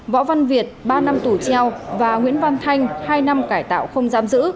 võ văn việt ba năm tù treo và nguyễn văn thanh hai năm cải tạo không giam giữ